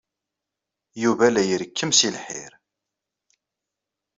Yuba la irekkem seg lḥir.